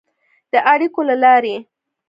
د اړیکو له لارې